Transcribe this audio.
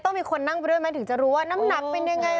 ต้องมีคนนั่งไปด้วยไหมถึงจะรู้ว่าน้ำหนักเป็นยังไง